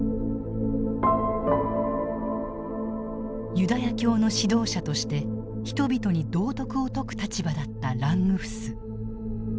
ユダヤ教の指導者として人々に道徳を説く立場だったラングフス。